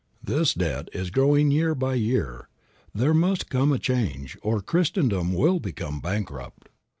This debt is growing year by year. There must come a change, or Christendom will become bankrupt.